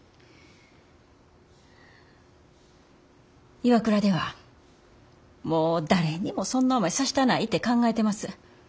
ＩＷＡＫＵＲＡではもう誰にもそんな思いさしたないて考えてます。